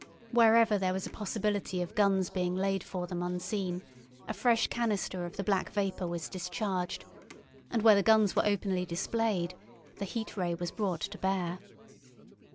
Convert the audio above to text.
Wherever there was a possibility of guns being laid for them unseen, a fresh canister of the black vapour was discharged, and where the guns were openly displayed the Heat Ray was brought to bear.